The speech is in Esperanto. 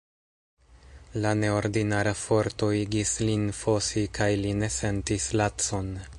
La neordinara forto igis lin fosi kaj li ne sentis lacon.